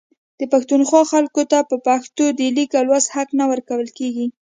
د پښتونخوا خلکو ته په پښتو د لیک او لوست حق نه ورکول کیږي